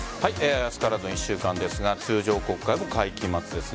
明日からの１週間ですが通常国会も会期末です。